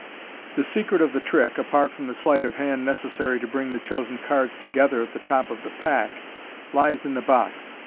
The secret of the trick, apart from the sleight of hand necessary to bring the chosen cards togetb&r at the top of the pack, lies in the box.